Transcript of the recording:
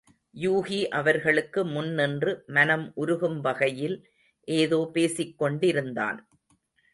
யூகி அவர்களுக்கு முன் நின்று மனம் உருகும் வகையில் ஏதோ பேசிக் கொண்டிருந்தான்.